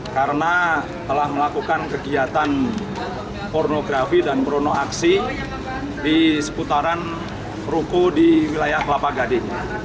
karena telah melakukan kegiatan pornografi dan pronoaksi di seputaran ruko di wilayah kelapa gade